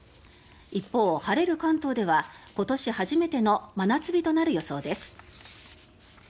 一方、晴れる関東では今年初めての真夏日となる予想です。